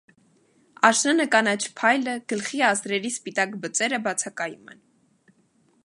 Աշնանը կանաչ փայլը, գլխի, ազդրերի սպիտակ բծերը բացակայում են։